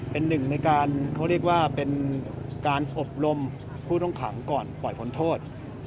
เป็นหนึ่งในการเขาเรียกว่าเป็นการอบรมผู้ต้องขังก่อนปล่อยผลโทษ